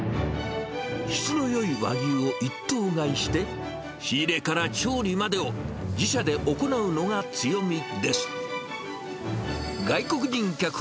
質のよい和牛を一頭買いして、仕入れから調理までを自社で行うのが強みです。